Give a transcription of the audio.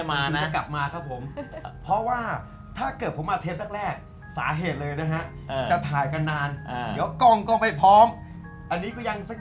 มันช่วยรายการถ่ายทำเนี่ย